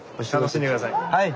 はい！